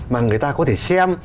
mà người ta có thể xem